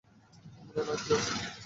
আমার এলার্জি আছে।